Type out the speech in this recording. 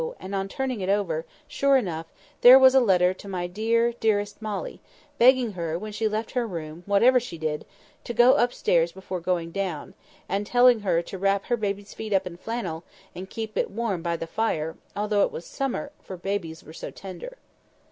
and on turning it over, sure enough, there was a letter to "my dear, dearest Molly," begging her, when she left her room, whatever she did, to go up stairs before going down: and telling her to wrap her baby's feet up in flannel, and keep it warm by the fire, although it was summer, for babies were so tender.